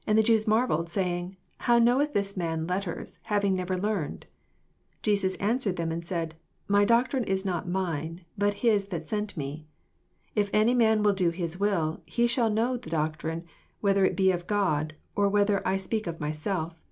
15 And the Jews marvelled, say ing, How knoweth this man letters, having never learned 7 16 Jesus answered them, and said, My doetrine is not mine, but his that sent me. 17 If any man will do bis will, he shall know of the doetrine, whether it be of God, or whether I speak of myself.